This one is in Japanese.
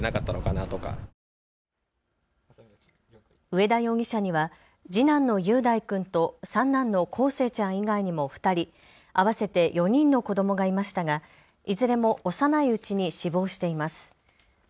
上田容疑者には次男の雄大君と雄大君の康生ちゃん以外にも２人、合わせて４人の子どもがいましたが、いずれも幼いうちに死亡しています。